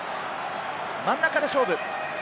真ん中で勝負。